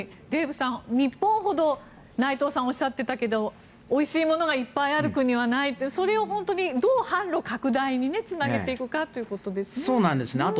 デーブさん、日本ほど内藤さんがおっしゃっていたけどおいしいものがいっぱいある国はないってそれを本当にどう販路拡大につなげていくかですね。